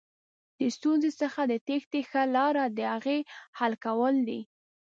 د ستونزې څخه د تېښتې ښه لاره دهغې حل کول دي.